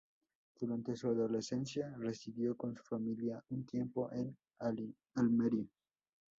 Durante su adolescencia, residió con su familia un tiempo en Almería.